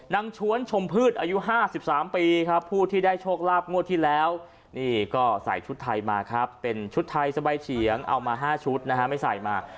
ชวนชมพืชอายุ๕๓ปีครับผู้ที่ได้โชคลาภงวดที่แล้วนี่ก็ใส่ชุดไทยมาครับเป็นชุดไทยสบายเฉียงเอามา๕ชุดนะฮะไม่ใส่มา